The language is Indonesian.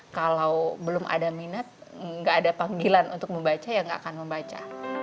kalau belum ada minat nggak ada panggilan untuk membaca ya nggak akan membaca